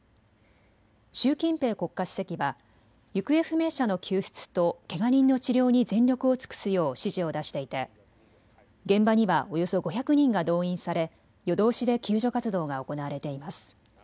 習近平国家主席は行方不明者の救出とけが人の治療に全力を尽くすよう指示を出していて現場にはおよそ５００人が動員され、夜通しで救助活動が行われています。